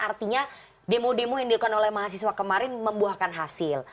artinya demo demo yang dilakukan oleh mahasiswa kemarin membuahkan hasil